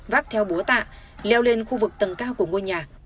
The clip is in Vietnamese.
vác theo búa tạ leo lên khu vực tầng cao của ngôi nhà